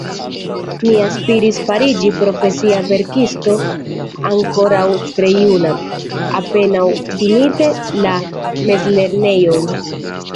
Mi aspiris fariĝi profesia verkisto ankoraŭ tre juna, apenaŭ fininte la mezlernejon.